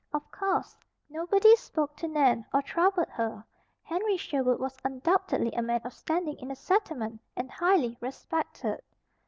Of course nobody spoke to Nan, or troubled her; Henry Sherwood was undoubtedly a man of standing in the settlement and highly respected.